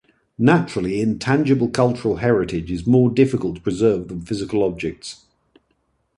Naturally, intangible cultural heritage is more difficult to preserve than physical objects.